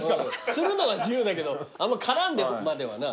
するのは自由だけどあんま絡んでまではな。